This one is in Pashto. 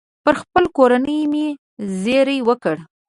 پر خپلې کورنۍ مې زېری وکړ.